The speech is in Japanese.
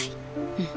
うん。